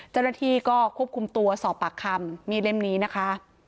เจ้าหน้าที่ก็ควบคุมตัวสอบปากคำมีดเล่มนี้นะคะ